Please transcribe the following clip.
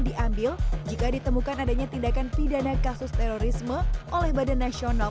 diambil jika ditemukan adanya tindakan pidana kasus terorisme oleh badan nasional